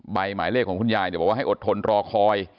หมายเลขของคุณยายบอกว่าให้อดทนรอคอย